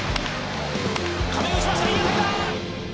亀井打ちましたいい当たりだ！